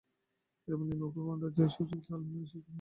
এরপর নিম্নমুখী প্রবণতায় যায় সূচক, যা লেনদেনের শেষ পর্যন্ত অব্যাহত ছিল।